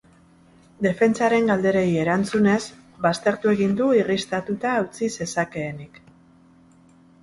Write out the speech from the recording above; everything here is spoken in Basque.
Defentsaren galderei erantzunez, baztertu egin du irristatuta hautsi zezakeenik.